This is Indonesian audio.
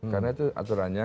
karena itu aturannya